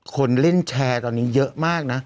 คนเล่นแชร์ตอนนี้เยอะมากนะ